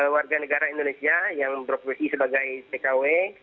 warga negara indonesia yang beroperasi sebagai pkw